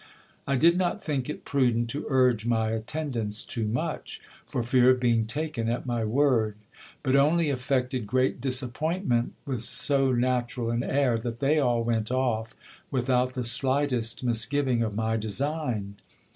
I did not think it prudent to urge my attendance too much, for fear of being taken at my word ; but only affected great disappointment with so natural an air, that they all went off without the slightest misgiving of my design.